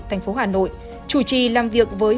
tp hà nội chủ trì làm việc với